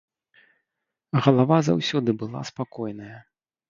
Галава заўсёды была спакойная.